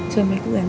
suami aku ganteng